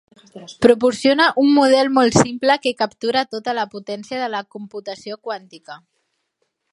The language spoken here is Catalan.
Proporciona un model molt simple que captura tota la potència de la computació quàntica.